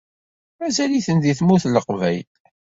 Mazal-iten deg Tmurt n Leqbayel.